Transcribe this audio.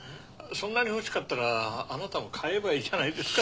そんなに欲しかったらあなたも買えばいいじゃないですか。